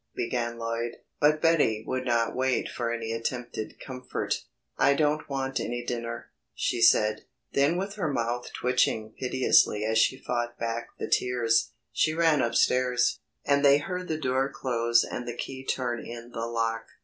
began Lloyd, but Betty would not wait for any attempted comfort. "I don't want any dinner," she said, then with her mouth twitching piteously as she fought back the tears, she ran up stairs, and they heard the door close and the key turn in the lock.